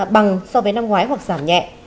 bằng so với năm ngoái hoặc giảm nhẹ